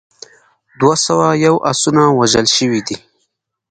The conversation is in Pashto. دوه سوه یو اسونه وژل شوي دي.